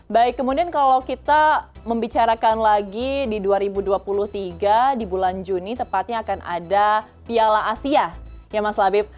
baik kemudian kalau kita membicarakan lagi di dua ribu dua puluh tiga di bulan juni tepatnya akan ada piala asia ya mas labib